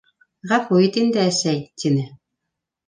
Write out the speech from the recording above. Ғәфү ит инде, әсәй, - тине.